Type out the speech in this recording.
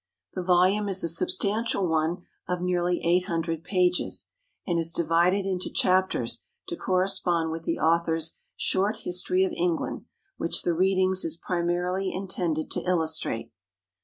The volume is a substantial one of nearly eight hundred pages, and is divided into chapters to correspond with the author's "Short History of England," which the "Readings" is primarily intended to illustrate.